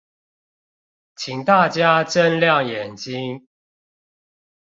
請大家睜亮眼睛